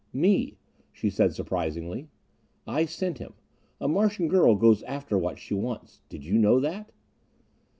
"Me," she said surprisingly. "I sent him. A Martian girl goes after what she wants. Did you know that?"